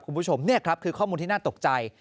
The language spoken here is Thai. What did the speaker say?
คุณผู้ชมนี่ครับคือข้อมูลที่น่าตกใจ